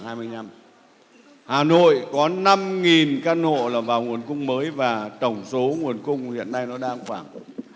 hà nội có năm căn hộ là vào nguồn cung mới và tổng số nguồn cung hiện nay nó đang khoảng